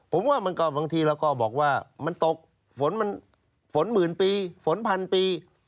ผมว่าบางทีเราก็บอกว่ามันตกฝนหมื่นปีฝนพันปี